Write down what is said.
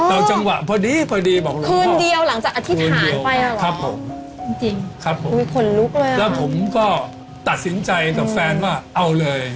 เอาจังหวะพอดีบอกลุงคืนเดียวหลังจากอธิษฐานครับผมแล้วผมก็ตัดสินใจกับแฟนว่าเอาเลย